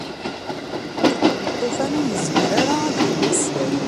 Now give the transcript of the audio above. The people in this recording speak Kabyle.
Lṭufan ur yezmer ara ad yemmeslay.